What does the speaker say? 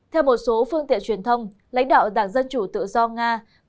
theo một số phương tiện truyền thông lãnh đạo đảng dân chủ tự do nga